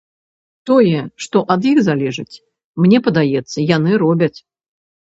Тое, што ад іх залежыць, мне падаецца, яны робяць.